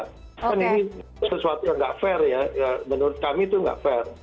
kan ini sesuatu yang nggak fair ya menurut kami itu nggak fair